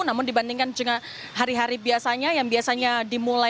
namun dibandingkan dengan hari hari biasanya